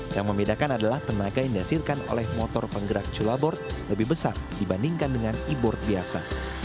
yang membedakan adalah tenaga yang dihasilkan oleh motor penggerak cula board lebih besar dibandingkan dengan e board biasa